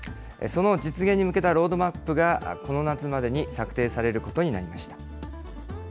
その実現に向けたロードマップがこの夏までに策定されることにな